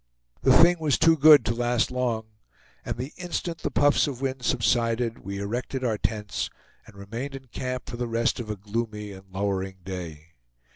The thing was too good to last long; and the instant the puffs of wind subsided we erected our tents, and remained in camp for the rest of a gloomy and lowering day.